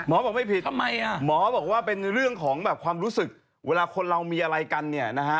บอกไม่ผิดทำไมอ่ะหมอบอกว่าเป็นเรื่องของแบบความรู้สึกเวลาคนเรามีอะไรกันเนี่ยนะฮะ